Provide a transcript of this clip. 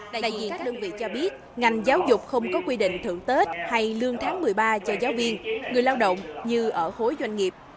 tại đại diện các đơn vị cho biết ngành giáo dục không có quy định thưởng tết hay lương tháng một mươi ba cho giáo viên người lao động như ở khối doanh nghiệp